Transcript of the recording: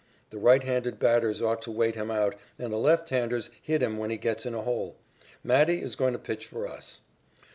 The right handed batters ought to wait him out and the left handers hit him when he gets in a hole. Matty is going to pitch for us."